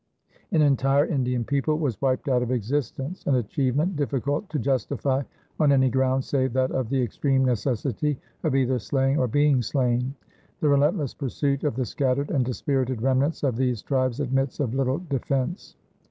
An entire Indian people was wiped out of existence, an achievement difficult to justify on any ground save that of the extreme necessity of either slaying or being slain. The relentless pursuit of the scattered and dispirited remnants of these tribes admits of little defense.